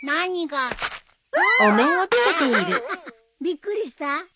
びっくりした？